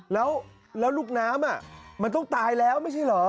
แล้วลูกน้ำมันต้องตายแล้วไม่ใช่เหรอ